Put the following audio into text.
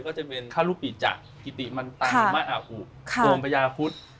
ก็จะเป็นคารุปิจะกิติมันตามะอาอุโมงพญาพุทธ